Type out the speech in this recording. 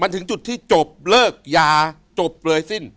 ถึงจุดที่จบเป็นจบและเลิกยาจบเลยสิ้น